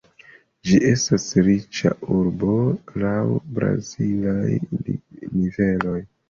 Ĝi estas riĉa urbo laŭ brazilaj niveloj.